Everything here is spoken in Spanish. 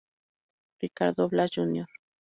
Ricardo Blas Jr.